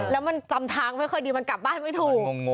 แล้วมันจำทางไม่ค่อยดีมันกลับบ้านไม่ถูก